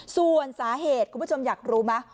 ส่วนสาเหตุคุณผู้ชมอยากรู้ไหม